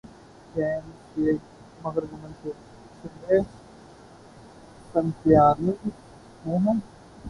چین کے مغربی صوبے سنکیانگ میں ہے